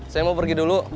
saya mau pergi dulu